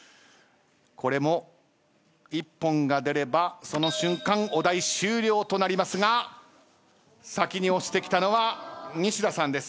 これも一本が出ればその瞬間お題終了となりますが先に押してきたのは西田さんです。